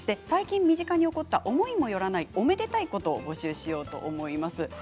最近、身近に起こった思いもよらないおめでたいことを募集します。